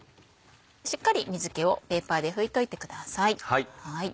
しっかり水気をペーパーで拭いといてください。